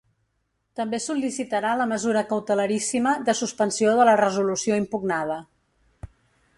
També sol·licitarà la mesura cautelaríssima de suspensió de la resolució impugnada.